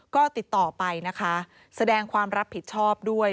ก็ติดต่อไปนะคะแสดงความรับผิดชอบด้วย